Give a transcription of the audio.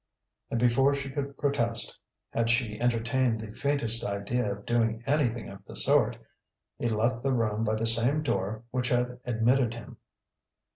And before she could protest had she entertained the faintest idea of doing anything of the sort he left the room by the same door which had admitted him.